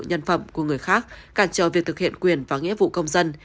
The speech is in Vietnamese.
nhân phẩm của người khác cản trở việc thực hiện quyền và nghĩa vụ công dân